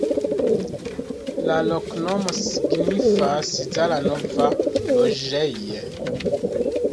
La loknomo signifas: Zala-nova-loĝej'.